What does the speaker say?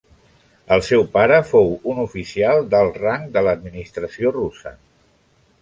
El seu pare fou un oficial d'alt rang de l'administració russa.